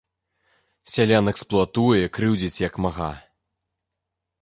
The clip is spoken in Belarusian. Сялян эксплуатуе і крыўдзіць як мага.